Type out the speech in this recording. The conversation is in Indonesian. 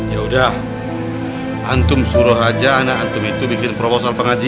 ya udah antum suruh aja anak anak itu bikin perubahan ya pak haji